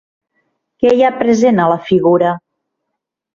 Què hi ha present a la figura?